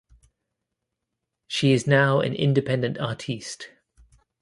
She is now an independent artiste.